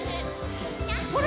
ほら！